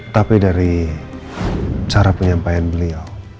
tapi dari cara penyampaian beliau